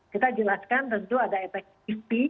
kita jelaskan tentu ada efek kipi